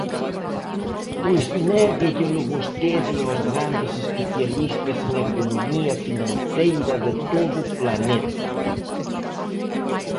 Pois néguellelo vostede aos grandes especialistas en economía financeira de todo o planeta.